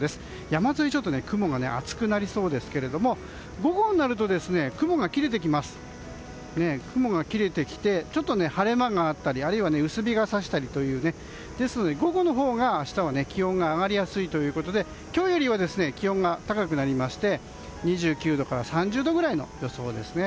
山沿いは雲が厚くなりそうですけれども午後になると雲が切れてきてちょっと晴れ間があったり薄日が差したりとですので午後のほうが明日は気温が上がりやすいということで今日よりは気温が高くなりまして２９度から３０度ぐらいの予想です。